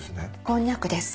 こんにゃくです。